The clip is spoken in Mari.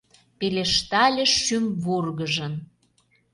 Пелештале шӱм вургыжын: